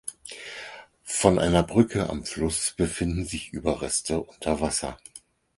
Von einer Brücke am Fluss befinden sich Überreste unter Wasser.